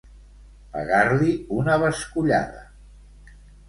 Pegar-li una bescollada.